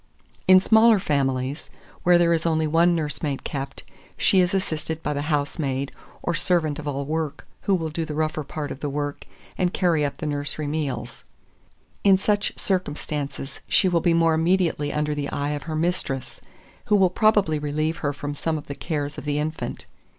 2403. In smaller families, where there is only one nursemaid kept, she is assisted by the housemaid, or servant of all work, who will do the rougher part of the work, and carry up the nursery meals. In such circumstances she will be more immediately under the eye of her mistress, who will probably relieve her from some of the cares of the infant.